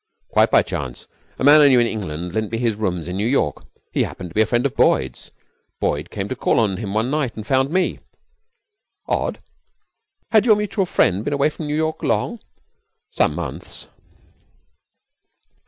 'Quite by chance. A man I knew in England lent me his rooms in New York. He happened to be a friend of Boyd's. Boyd came to call on him one night, and found me.' 'Odd! Had your mutual friend been away from New York long?' 'Some months.'